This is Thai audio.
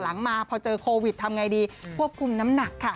หลังมาพอเจอโควิดทำอย่างไรดีควบคุมน้ำหนักค่ะ